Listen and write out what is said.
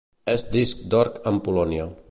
És disc d'or en Polònia.